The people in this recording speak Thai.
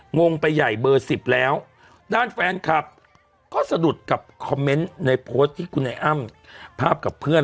งงไปใหญ่เบอร์สิบแล้วด้านแฟนคลับก็สะดุดกับคอมเมนต์ในโพสต์ที่คุณไอ้อ้ำภาพกับเพื่อน